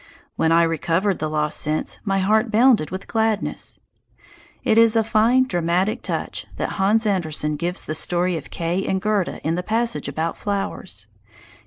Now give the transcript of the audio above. When I recovered the lost sense, my heart bounded with gladness. It is a fine dramatic touch that Hans Andersen gives to the story of Kay and Gerda in the passage about flowers.